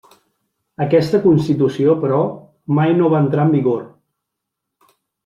Aquesta constitució, però, mai no va entrar en vigor.